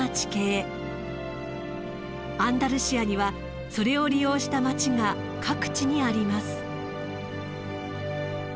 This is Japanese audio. アンダルシアにはそれを利用した町が各地にあります。